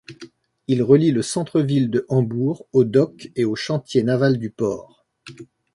Il relie le centre-ville de Hambourg aux docks et aux chantiers navals du port.